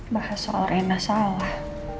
bahas soal rena salah